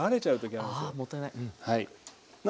あもったいない。